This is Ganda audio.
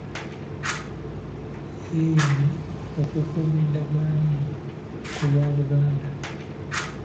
Yeeyamye okukuuma endagaano eno ku lwa Buganda